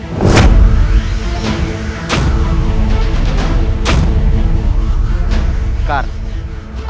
karena kau masih hidup